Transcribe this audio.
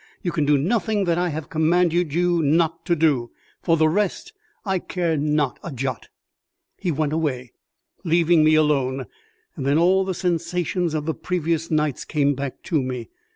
"You can do nothing that I have commanded you not to do. For the rest I care not a jot." He went away, leaving me alone, and then all the sensations of the previous nights came back to me.